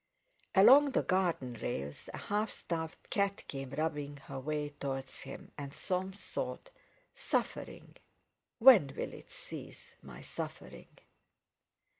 Along the garden rails a half starved cat came rubbing her way towards him, and Soames thought: "Suffering! when will it cease, my suffering?"